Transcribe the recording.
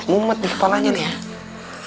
mumet di kepalanya nih